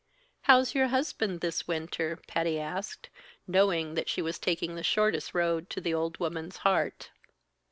"How's your husband this winter?" Patty asked, knowing that she was taking the shortest road to the old woman's heart.